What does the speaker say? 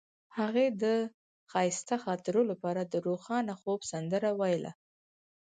هغې د ښایسته خاطرو لپاره د روښانه خوب سندره ویله.